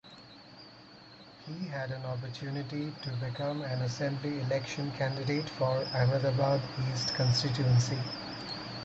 He had an opportunity to become an assembly election candidate for Ahmedabad East constituency.